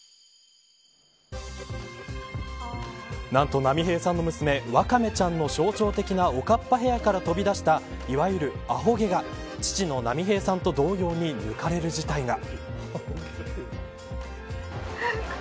何と、波平さんの娘ワカメちゃんの象徴的なおかっぱヘアから飛び出したいわゆるアホ毛が波平さんと同様に抜かれる事態が。